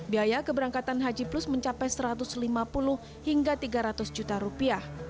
biaya keberangkatan haji plus mencapai satu ratus lima puluh hingga tiga ratus juta rupiah